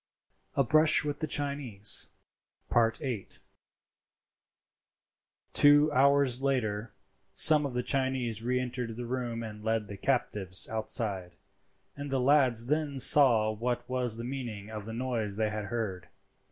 A BRUSH WITH THE CHINESE.—VIII. Two hours later some of the Chinese re entered the room and led the captives outside, and the lads then saw what was the meaning of the noise they had heard.